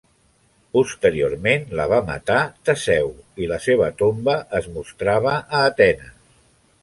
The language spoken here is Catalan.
Posteriorment la va matar Teseu, i la seva tomba es mostrava a Atenes.